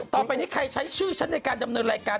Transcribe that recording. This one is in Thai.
ต่อไปนี้ใครใช้ชื่อฉันในการดำเนินรายการ